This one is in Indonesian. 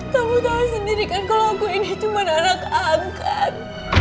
kamu tahu sendiri kan kalau aku ini cuma anak angkat